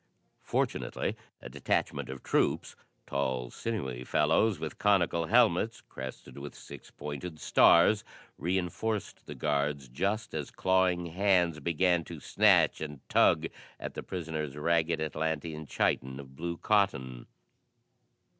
Fortunately, a detachment of troops tall, sinewy fellows with conical helmets, crested with six pointed stars reenforced the guards just as clawing hands began to snatch and tug at the prisoner's ragged Atlantean chiton of blue cotton.